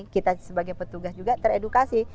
kita sebagai petugas juga teredukasi